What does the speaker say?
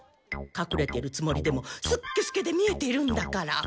かくれてるつもりでもすっけすけで見えてるんだから。